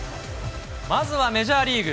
まずはメジャーリーグ。